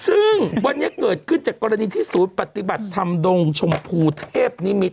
ซึ่งวันนี้เกิดขึ้นจากกรณีที่ศูนย์ปฏิบัติธรรมดงชมพูเทพนิมิตร